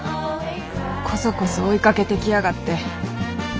コソコソ追いかけてきやがって。